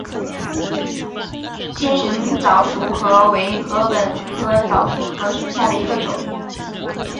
尖颖早熟禾为禾本科早熟禾属下的一个种。